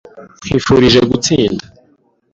Nkwifurije gutsinda.